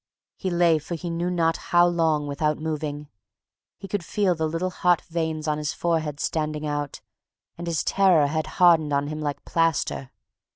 He lay for he knew not how long without moving. He could feel the little hot veins on his forehead standing out, and his terror had hardened on him like plaster.